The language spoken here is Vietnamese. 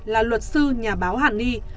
là luật sư nhà báo hàn ni